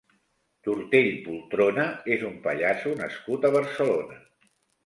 Tortell Poltrona és un pallasso nascut a Barcelona.